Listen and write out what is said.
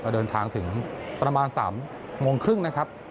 เดินทางถึงประมาณ๓โมงครึ่งนะครับ